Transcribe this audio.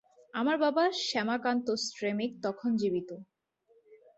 আমার বাবা শ্যামাকান্ত স্ট্রেমিক তখন জীবিত।